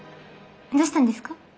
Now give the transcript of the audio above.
どうしたんですか？